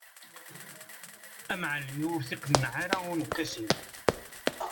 Amεellem-iw ur t-iqenneε ara uneqqis-iw.